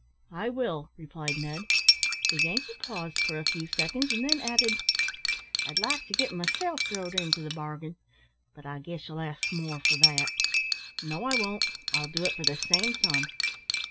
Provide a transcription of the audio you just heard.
"I will," replied Ned. The Yankee paused for a few seconds, and then added "I'd like to git myself throwd into the bargain, but I guess ye'll ask more for that." "No, I won't; I'll do it for the same sum."